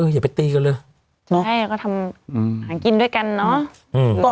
เอออย่าไปตีกันเลยเนอะให้เราก็ทำอืมหางกินด้วยกันเนอะอืม